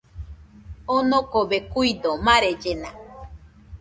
Onokobe kuido, marellena